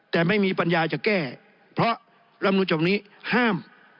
แต่ไม่มีปัญญาจะแก้เพราะร่ำนูนจบนี้ห้าม